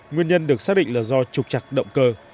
nguyên nhân được xác định là do trục chặt động cơ